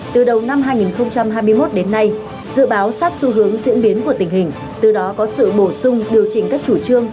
từ đầu năm hai nghìn hai mươi một đến nay dự báo sát xu hướng diễn biến của tình hình từ đó có sự bổ sung điều chỉnh các chủ trương